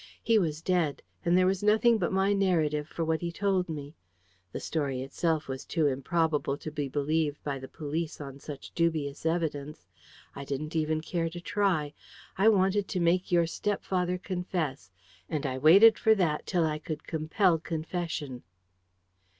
He was dead, and there was nothing but my narrative for what he told me. The story itself was too improbable to be believed by the police on such dubious evidence. I didn't even care to try. I wanted to make your step father confess: and I waited for that till I could compel confession."